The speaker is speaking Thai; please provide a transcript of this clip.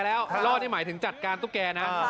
ลั่อยให้หมายถึงจัดการตูแก